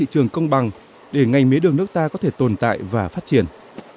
cung bằng để ngành mía đường nước ta có thể tồn tại và phát triển